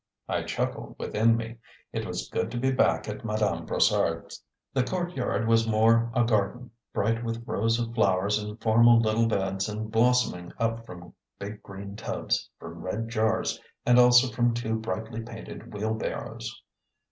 I chuckled within me; it was good to be back at Madame Brossard's. The courtyard was more a garden; bright with rows of flowers in formal little beds and blossoming up from big green tubs, from red jars, and also from two brightly painted wheel barrows.